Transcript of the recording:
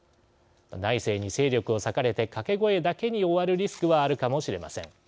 内政に精力を割かれて掛け声だけに終わるリスクはあるかもしれません。